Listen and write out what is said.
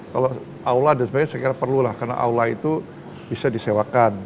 kalau aula dan sebagainya saya kira perlu lah karena aula itu bisa disewakan